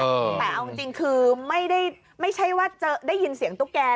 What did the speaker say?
แต่เอาจริงคือไม่ได้ไม่ใช่ว่าจะได้ยินเสียงตุ๊กแก